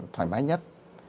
thoải mái nhất